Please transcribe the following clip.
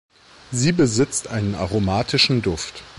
Sie besitzt einen aromatischen Duft.